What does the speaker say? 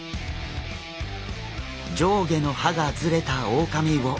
上下の歯がズレたオオカミウオ。